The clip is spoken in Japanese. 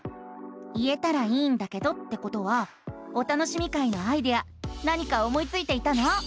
「言えたらいいんだけど」ってことは「お楽しみ会」のアイデア何か思いついていたの？